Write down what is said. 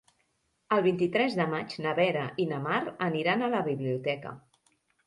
El vint-i-tres de maig na Vera i na Mar aniran a la biblioteca.